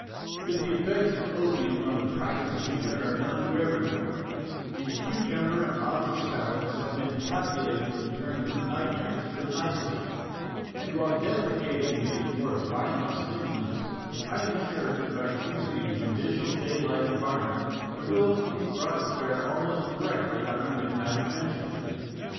But 36 MONOLOGUES the effects of opium on the practised eater are known to every one, and cucumber and lobster salads have been calculated in terms of nightmares to a nicety, and while depre cating these more violent stimulants, I am sure that by choosing a judicious daylight environment, the will can be brought to bear almost directly on our midnight adventures.